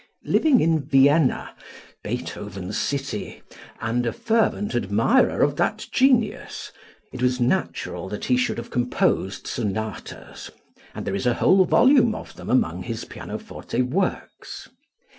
Living in Vienna, Beethoven's city, and a fervent admirer of that genius, it was natural that he should have composed sonatas, and there is a whole volume of them among his pianoforte works.